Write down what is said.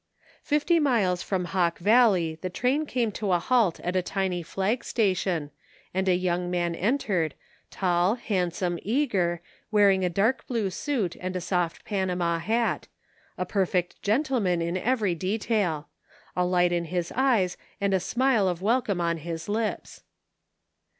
Fifty miles from Hawk Valley the train came to a halt at a tiny flag station, and a young man entered, tall, handsome, eager, wearing a dark blue suit and a soft Panama hat — a perfect gentleman in every detail ; a light in his eyes and a smile of welcome on his lips.